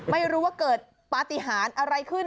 ไม่รู้ว่าเกิดปฏิหารอะไรขึ้น